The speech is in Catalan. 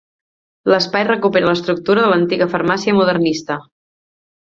L’espai recupera l’estructura de l’antiga farmàcia modernista.